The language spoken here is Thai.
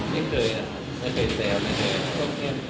ไม่เคยนะครับไม่เคยแซวไม่เคย